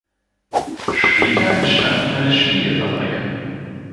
Später entstand eine Spiegelfabrik.